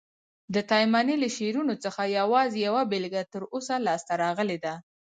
د تایمني له شعرونو څخه یوازي یوه بیلګه تر اوسه لاسته راغلې ده.